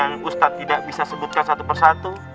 yang ustadz tidak bisa sebutkan satu persatu